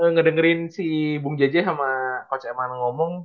ngedengerin si bung jj sama coach emang ngomong